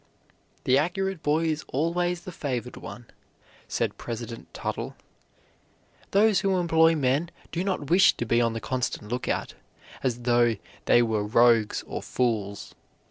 "The accurate boy is always the favored one," said President Tuttle. "Those who employ men do not wish to be on the constant lookout, as though they were rogues or fools.